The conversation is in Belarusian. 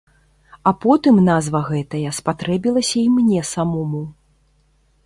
А потым назва гэтая спатрэбілася і мне самому.